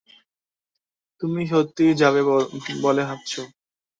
তুমি সত্যিই যাবে বলে ভাবছ?